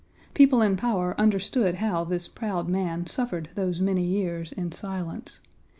People in power understood how this proud man suffered those many years in silence.